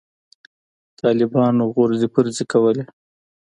طالبانو غورځې پرځې کولې.